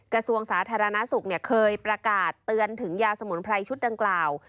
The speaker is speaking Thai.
กระทรวงสาธารณสุขเคยประกาศเตือนถึงยาสมุนไพรชุดดังกล่าว